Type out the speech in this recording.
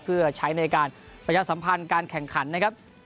เพื่อใช้ในการประชาสัมพันธ์การแข่งขันนะครับ